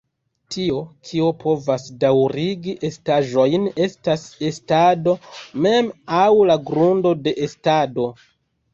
Tio, kio povas daŭrigi estaĵojn estas estado mem, aŭ la "grundo de estado.